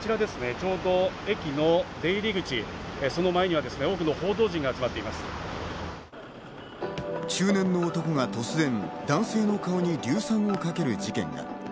ちょうど駅の出入口、その前には多くの報道陣が集まっ中年の男が突然、男性の顔に硫酸をかける事件が。